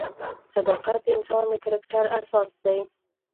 صداقت د انسان د کرکټر اساس دی.